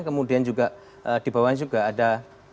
kemudian juga di bawahnya juga ada